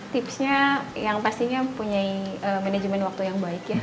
tipsnya yang pastinya punya manajemen waktu yang baik ya